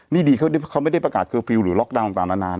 นี่ดีเขาไม่ได้ประกาศเคอร์ฟิลลหรือล็อกดาวนต่างนาน